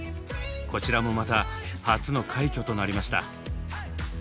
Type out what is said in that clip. こちらもまた初の快挙となりました。